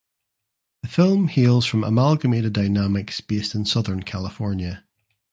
The film hails from Amalgamated Dynamics based in Southern California.